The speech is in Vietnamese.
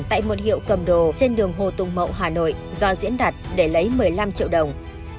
tại một hiệu cầm đồ trên đường hồ tùng mậu hà nội do diễn đặt để lấy một mươi năm triệu đồng